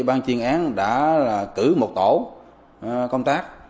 ban chuyên án đã cử một tổ công tác